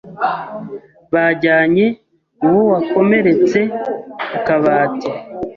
Bajyanye uwo wakomeretse ku kabati.